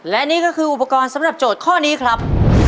และนี่ก็คืออุปกรณ์สำหรับโจทย์ข้อนี้ครับ